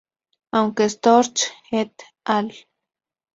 Aunque Storch, et al.